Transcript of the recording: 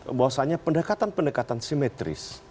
rasanya pendekatan pendekatan simetris